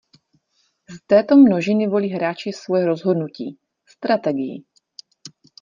Z této množiny volí hráči svoje rozhodnutí - strategii.